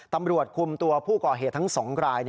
ตำรวจคุมตัวผู้ก่อเหตุทั้ง๒ราย